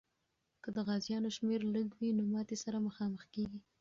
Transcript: که د غازیانو شمېر لږ وي، نو ماتي سره مخامخ کېږي.